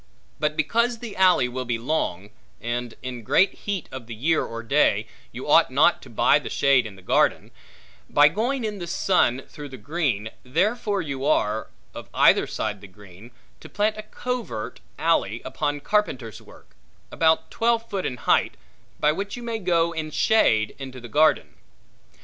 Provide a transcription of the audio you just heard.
But because the alley will be long, and, in great heat of the year or day, you ought not to buy the shade in the garden, by going in the sun through the green, therefore you are, of either side the green, to plant a covert alley upon carpenter's work, about twelve foot in height, by which you may go in shade into the garden.